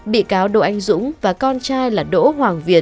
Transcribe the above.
bị cáo đỗ anh dũng và con trai là đỗ hoàng việt